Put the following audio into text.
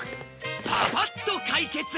パパッと解決。